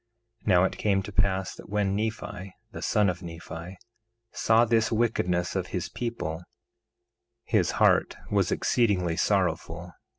1:10 Now it came to pass that when Nephi, the son of Nephi, saw this wickedness of his people, his heart was exceedingly sorrowful.